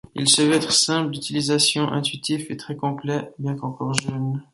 Il se veut être simple d'utilisation, intuitif et très complet, bien qu’encore jeune.